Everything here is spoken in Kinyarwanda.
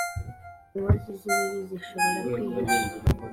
inkozi z ibibi zishobora kwihisha